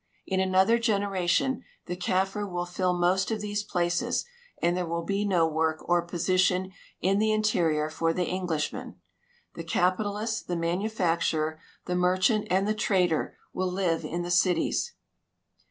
In another generation the Kaffir Avill fill most of these places, and there Avill l)e no Avork or ])Osition in the interior for the Englishman. The capitalist, the manufacturer, the merchant, and the trader will liA'e in the cities.